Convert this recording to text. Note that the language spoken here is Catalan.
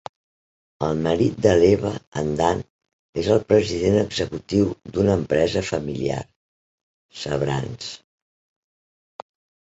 El marit de l'Eva, en Dan, és el president executiu d'una empresa familiar, Sabrands.